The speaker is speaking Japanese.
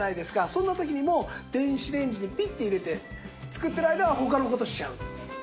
そんな時にも電子レンジにピッて入れて作ってる間は他の事をしちゃう。